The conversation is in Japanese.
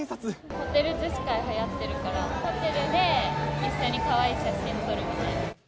ホテル女子会はやってるから、ホテルで一緒にかわいい写真撮るので。